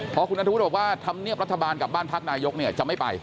พอคุณนัทธวุฒิบอกว่าธรรมเนียบรัฐบาลกับบ้านพักนายกจะไม่ไป